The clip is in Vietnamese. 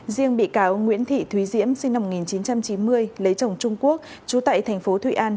riêng bị cáo nguyễn thị thúy diễm sinh năm một nghìn chín trăm chín mươi lấy chồng trung quốc chú tại thành phố thụy an